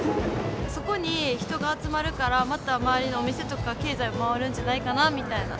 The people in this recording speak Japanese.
そこに人が集まるから、また周りのお店とか経済回るんじゃないかなみたいな。